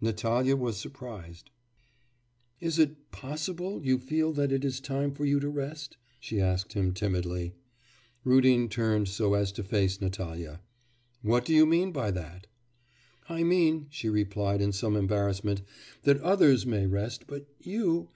Natalya was surprised. 'Is it possible you feel that it is time for you to rest?' she asked him timidly. Rudin turned so as to face Natalya. 'What do you mean by that?' 'I mean,' she replied in some embarrassment, 'that others may rest; but you...